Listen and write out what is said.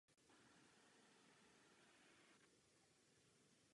Manželé od sebe dělilo celých třicet let.